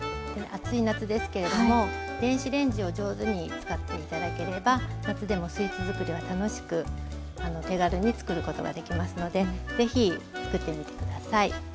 暑い夏ですけれども電子レンジを上手に使って頂ければ夏でもスイーツ作りは楽しく手軽に作ることができますので是非作ってみて下さい。